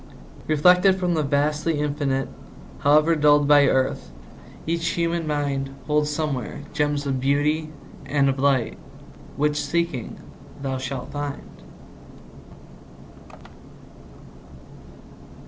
Reflected from the vastly Infinite, However dulled by earth, each human mind Holds somewhere gems of beauty and of light Which, seeking, thou shalt find.